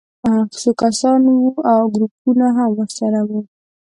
څو کسان وو او ګروپونه هم ورسره وو